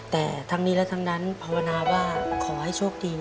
แต่ทั้งนี้และทั้งนั้นภาวนาว่าขอให้โชคดี